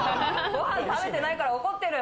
ご飯食べてないから怒ってる。